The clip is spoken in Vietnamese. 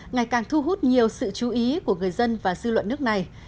ngày càng thu hút nhiều sự chú ý của người dân và dư luận nước này